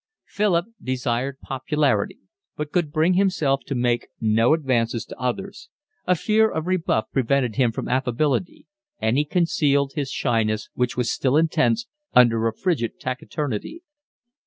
Philip desired popularity but could bring himself to make no advances to others. A fear of rebuff prevented him from affability, and he concealed his shyness, which was still intense, under a frigid taciturnity.